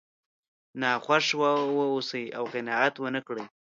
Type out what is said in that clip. ناخوښ واوسئ او قناعت ونه کړئ.